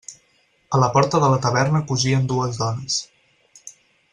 A la porta de la taverna cosien dues dones.